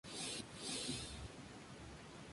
En Chorzów está ubicado el Planetario de Silesia.